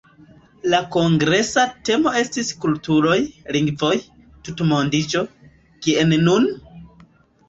La kongresa temo estis “Kulturoj, lingvoj, tutmondiĝo: Kien nun?”.